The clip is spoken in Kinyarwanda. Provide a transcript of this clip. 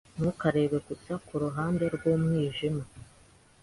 Ntukarebe gusa kuruhande rwumwijima.